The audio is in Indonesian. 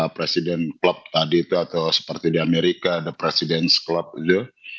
presiden klub tadi itu atau seperti di amerika ada presiden klub itu